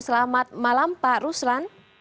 selamat malam pak ruslan